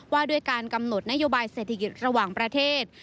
ว่าด้วยการกำหนดนโยบายเศรษฐกิจระหว่างประเทศ